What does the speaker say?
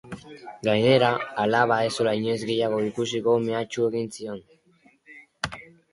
Gainera, alaba ez zuela inoiz gehiago ikusiko mehatxu egin zion.